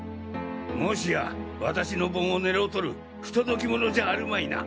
もしや私の盆を狙うとる不届き者じゃあるまいな？